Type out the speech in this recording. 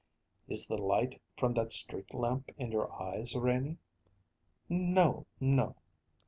"Is the light from that street lamp in your eyes, Renie?" "No, no."